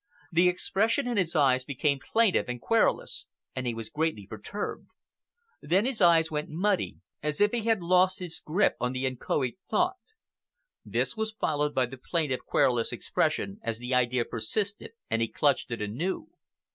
The expression in his eyes became plaintive and querulous, and he was greatly perturbed. Then his eyes went muddy, as if he had lost his grip on the inchoate thought. This was followed by the plaintive, querulous expression as the idea persisted and he clutched it anew.